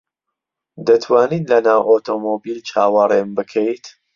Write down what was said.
دەتوانیت لەناو ئۆتۆمۆبیل چاوەڕێم بکەیت؟